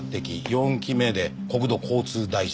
４期目で国土交通大臣。